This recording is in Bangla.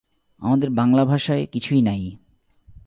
আমাদের বাঙলা ভাষায় কিছুই নাই।